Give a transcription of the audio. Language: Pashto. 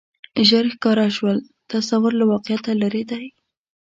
ژر ښکاره شول تصور له واقعیته لرې دی